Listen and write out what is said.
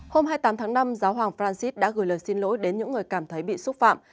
hôm hai mươi tám tháng năm giáo hoàng francis đã gửi lời xin lỗi đến những người cảm thấy bị xúc phạm